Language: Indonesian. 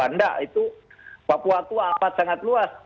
tidak itu papua itu apat sangat luas